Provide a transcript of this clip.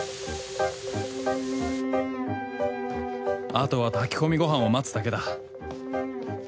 あとは炊き込みご飯を待つだけだ